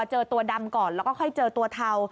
เจอตัวดำก่อนแล้วก็ค่อยเจอตัวเทา